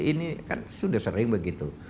ini kan sudah sering begitu